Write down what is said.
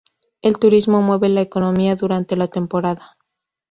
El turismo mueve la economía durante la temporada.